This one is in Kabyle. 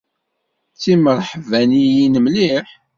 D timreḥbaniyin mliḥ.